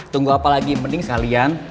tunggu apa lagi mending sekalian